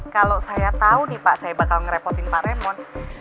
kalau saya tahu nih pak saya bakal ngerepotin pak remon